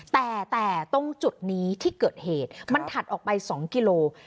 แต่ตรงจุดนี้ที่เกิดเหตุมันถัดออกไป๒กิโล